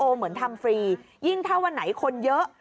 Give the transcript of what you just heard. เหมือนทำฟรียิ่งถ้าวันไหนคนเยอะ